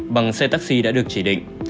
bằng xe taxi đã được chỉ định